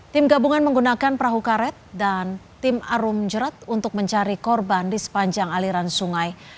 tim gabungan menggunakan perahu karet dan tim arum jerat untuk mencari korban di sepanjang aliran sungai